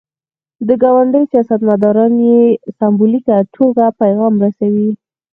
د کونډې سیاستمداران یې سمبولیکه توګه پیغام رسوي.